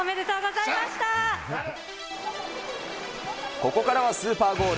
ここからはスーパーゴール。